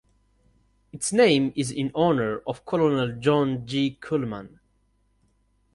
Its name is in honor of Colonel John G. Cullmann.